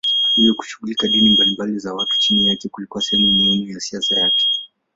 Hivyo kushughulikia dini mbalimbali za watu chini yake kulikuwa sehemu muhimu ya siasa yake.